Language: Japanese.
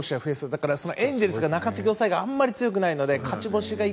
だからエンゼルスが中継ぎ、抑えがあまり強くないので勝ち星が。